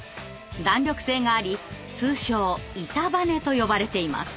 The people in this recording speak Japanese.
弾力性があり通称「板バネ」と呼ばれています。